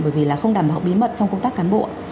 bởi vì là không đảm bảo bí mật trong công tác cán bộ